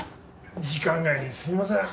時間外にすいません